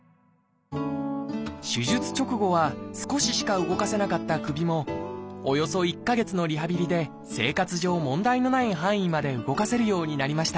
手術直後は少ししか動かせなかった首もおよそ１か月のリハビリで生活上問題のない範囲まで動かせるようになりました。